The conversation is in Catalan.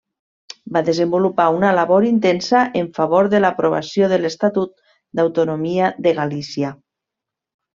Va desenvolupar una labor intensa en favor de l'aprovació de l'Estatut d'autonomia de Galícia.